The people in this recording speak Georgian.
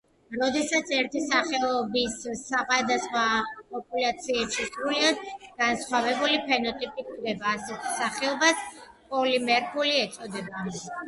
როდესაც ერთი სახეობის სხვადასხვა პოპულაციებში სრულიად განსხვავებული ფენოტიპი გვხვდება, ასეთ სახეობას პოლიმორფული ეწოდება.